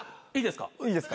いいですか？